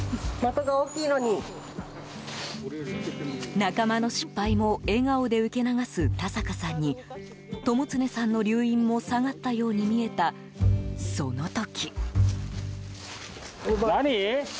仲間の失敗も笑顔で受け流す田坂さんに友常さんの溜飲も下がったように見えたその時。